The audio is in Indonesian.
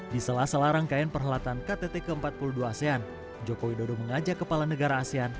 di sela sela rangkaian perhelatan ktt ke empat puluh dua asean joko widodo mengajak kepala negara asean